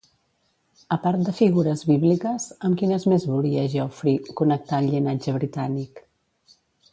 A part de figures bíbliques, amb quines més volia Geoffrey connectar el llinatge britànic?